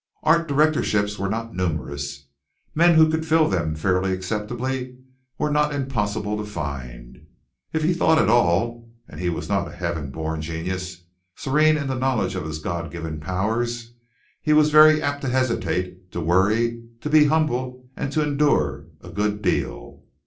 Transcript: Art directorships were not numerous. Men who could fill them fairly acceptably were not impossible to find. If he thought at all and was not a heaven born genius serene in the knowledge of his God given powers, he was very apt to hesitate, to worry, to be humble and to endure a good deal.